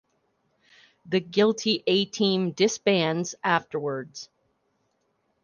The guilty A-Team disbands afterwards.